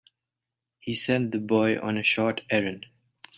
He sent the boy on a short errand.